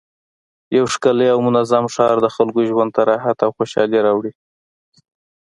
یو ښکلی او منظم ښار د خلکو ژوند ته راحت او خوشحالي راوړي